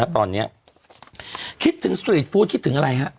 ตอนนี้คิดถึงสตรีทฟู้ดคิดถึงอะไรฮะ